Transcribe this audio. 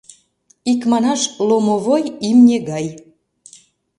Икманаш, ломовой имне гай.